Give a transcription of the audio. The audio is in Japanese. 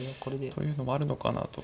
というのもあるのかなとは。